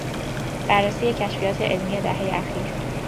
بررسی کشفیات علمی دههی اخیر